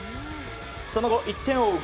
その後、１点を追う